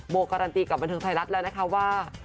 การันตีกับบันเทิงไทยรัฐแล้วนะคะว่า